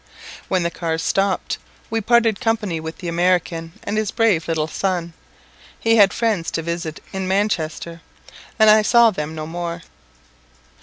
When the car stopped, we parted company with the American and his brave little son. He had friends to visit in Manchester, and I saw them no more.